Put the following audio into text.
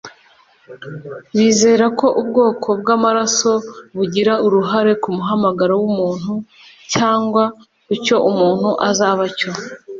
bizera ko ubwoko bw’amaraso bugira uruhare k’umuhamagaro w’umuntu cyangwa ku cyo umuntu azaba cyo